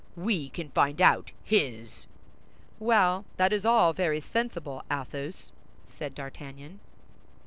We can find out his!" "Well, that's all very sensible, Athos," said D'Artagnan.